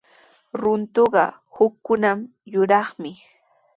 Runtuqa utkunaw yuraqmi.